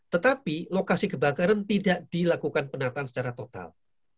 tetapi lokasi kebakaran tidak dilakukan penataan secara total